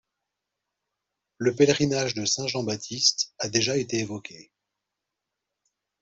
Le pèlerinage de saint Jean-Baptiste a déjà été évoqué.